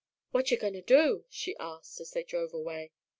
"What yer doin' to do?" she asked, as they drove away.